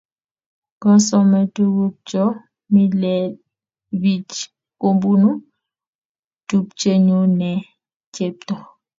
koosome tukuchoto mileibich kobunu tupchenyu ne chepto